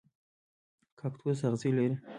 کاکتوس اغزي لري